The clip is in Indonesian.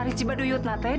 di cibaduyut nete di mana